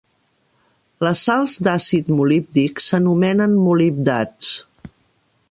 Les sals d'àcid molíbdic s'anomenen molibdats.